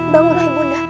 bangunlah ibu nda